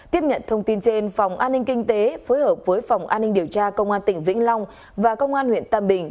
tiếp nhận thông tin trên phòng an ninh kinh tế phối hợp với phòng an ninh điều tra công an tỉnh vĩnh long và công an huyện tam bình